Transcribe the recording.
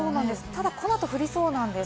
ただこの後、降りそうなんです。